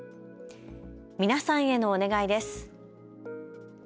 皆さんへのお願いです。